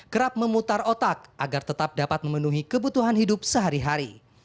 kerap memutar otak agar tetap dapat memenuhi kebutuhan hidup sehari hari